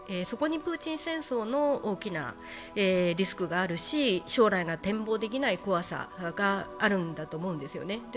そこにプーチン戦争の大きなリスクがあるし将来が展望できない怖さがあるんだと思うんですよね。